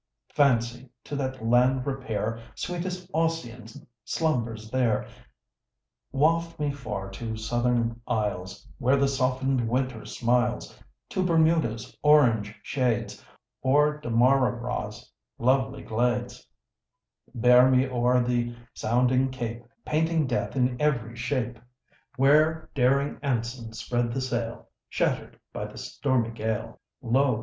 Fancy, to that land repair, Sweetest Ossian slumbers there; Waft me far to southern isles Where the soften'd winter smiles, To Bermuda's orange shades, Or Demarara's lovely glades; Bear me o'er the sounding cape, Painting death in every shape, Where daring Anson spread the sail Shatter'd by the stormy gale Lo!